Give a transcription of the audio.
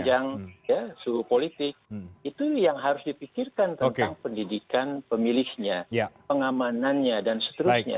panjang ya suhu politik itu yang harus dipikirkan tentang pendidikan pemilihnya pengamanannya dan seterusnya